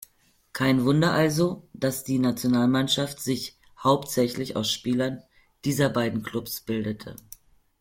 Kein Wunder also, dass die Nationalmannschaft sich hauptsächlich aus Spielern dieser beiden Clubs bildete.